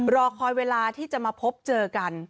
รอคอยเวลาที่จะมาพบเจอกัน